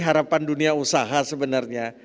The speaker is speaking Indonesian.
harapan dunia usaha sebenarnya